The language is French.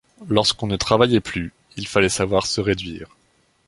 Lorsqu’on ne travaillait plus, il fallait savoir se réduire.